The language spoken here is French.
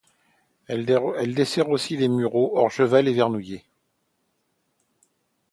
Elle dessert aussi Les Mureaux, Orgeval et Vernouillet.